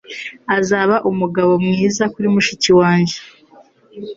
Azaba umugabo mwiza kuri mushiki wanjye.